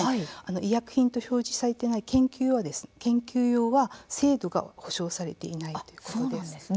医薬品と表示されてない研究用は精度が保証されていないということなんですね。